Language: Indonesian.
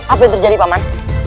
apa yang terjadi paman